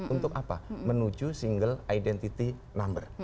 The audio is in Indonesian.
untuk apa menuju single identity number